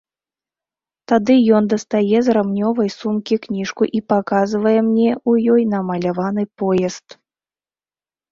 Тады ён дастае з рамнёвай сумкі кніжку і паказвае мне ў ёй намаляваны поезд.